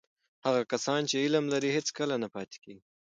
هغه کسان چې علم لري، هیڅکله نه پاتې کېږي.